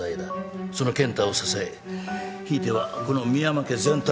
その健太を支えひいてはこの深山家全体を支える。